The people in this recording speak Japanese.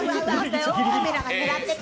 カメラ狙ってた。